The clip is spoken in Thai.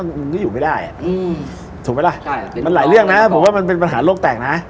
ถูกไหมล่ะมันหลายเรื่องนะบอกว่ามันเป็นปัญหาโลกแตกนะ